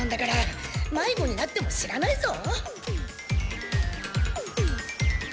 まいごになっても知らないぞ！